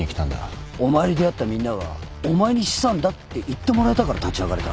お前に出会ったみんなはお前に資産だって言ってもらえたから立ち上がれた。